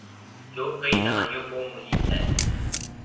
جو کئی دھائیوں کو محیط ہے۔